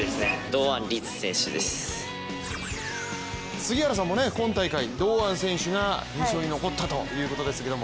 杉原さんも今大会堂安選手が印象に残ったということですけど。